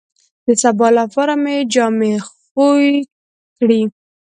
د سبا لپاره مې جامې خوې کړې.